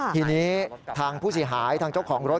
ทีนี้ทางผู้เสียหายทางเจ้าของรถ